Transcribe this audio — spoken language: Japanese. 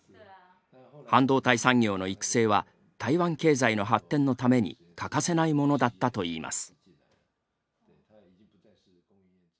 半導体産業の育成は台湾経済の発展のために欠かせないものだったといいます。